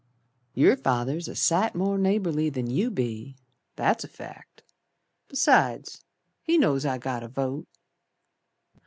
"Yer Father's a sight more neighbourly Than you be. That's a fact. Besides, he knows I got a vote."